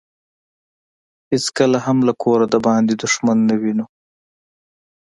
هیڅکله هم له کوره دباندې دښمن نه وينو.